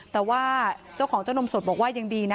แต่ว่าเจ้าของเจ้านมสดบอกว่ายังดีนะ